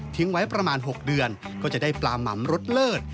ไว้ประมาณ๖เดือนก็จะได้ปลาหม่ำรสเลิศ